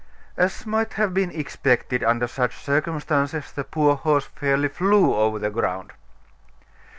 As might have been expected under such circumstances, the poor horse fairly flew over the ground.